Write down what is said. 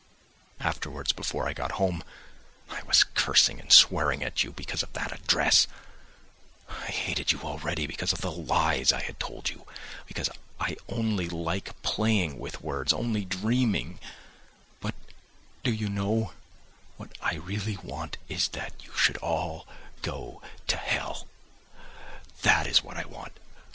Afterwards, before I got home, I was cursing and swearing at you because of that address, I hated you already because of the lies I had told you. Because I only like playing with words, only dreaming, but, do you know, what I really want is that you should all go to hell. That is what I want.